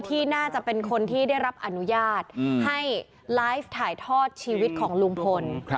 ที่น่าจะเป็นคนที่ได้รับอนุญาตให้ไลฟ์ถ่ายทอดชีวิตของลุงพล